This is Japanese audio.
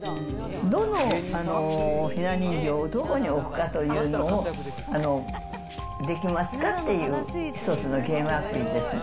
どのひな人形をどこに置くかというのを、できますかっていう、１つのゲームアプリです。